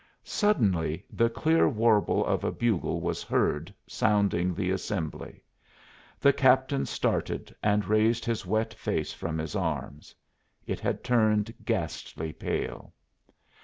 Suddenly the clear warble of a bugle was heard sounding the "assembly." The captain started and raised his wet face from his arms; it had turned ghastly pale.